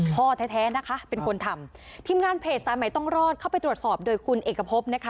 พ่อแท้แท้นะคะเป็นคนทำทีมงานเพจสายใหม่ต้องรอดเข้าไปตรวจสอบโดยคุณเอกพบนะคะ